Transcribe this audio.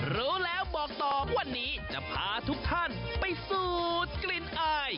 รู้แล้วบอกต่อวันนี้จะพาทุกท่านไปสูดกลิ่นอาย